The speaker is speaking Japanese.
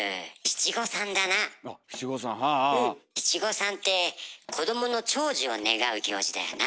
七五三って子どもの長寿を願う行事だよな。